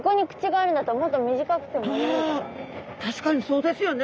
あ確かにそうですよね。